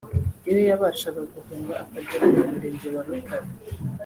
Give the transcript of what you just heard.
Iyo yabashaga guhunga akagera mu Murenge wa Rutare